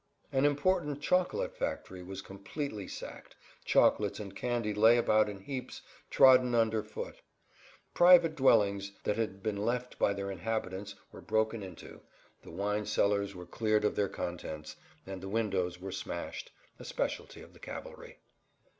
An important chocolate factory was completely[Pg 79] sacked, chocolates and candy lay about in heaps trodden under foot. Private dwellings that had been left by their inhabitants were broken into, the wine cellars were cleared of their contents, and the windows were smashed—a speciality of the cavalry.